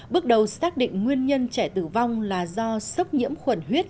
bước đầu xác định nguyên nhân trẻ tử vong là do sốc nhiễm khuẩn huyết